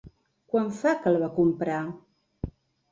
Quant fa que el va comprar?